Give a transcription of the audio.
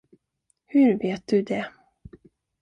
Hur vet du det?